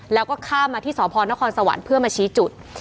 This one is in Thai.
แล้วก็ข้ามมาที่สพนครสวรรค์เพื่อมาชี้จุด